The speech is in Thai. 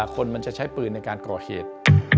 คนมันจะใช้ปืนในการก่อเหตุ